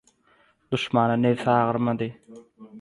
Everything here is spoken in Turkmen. duşmana nebsi agyrmandy.